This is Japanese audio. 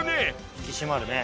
引き締まるね。